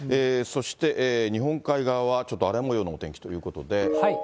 そして、日本海側はちょっと荒れもようのお天気ということで。